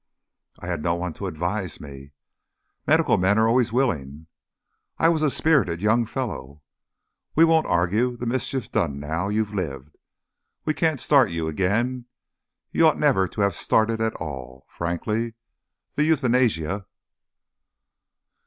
"I had no one to advise me." "Medical men are always willing." "I was a spirited young fellow." "We won't argue; the mischief's done now. You've lived. We can't start you again. You ought never to have started at all. Frankly the Euthanasia!"